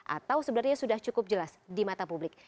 atau sebenarnya sudah cukup jelas di mata publik